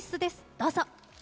どうぞ。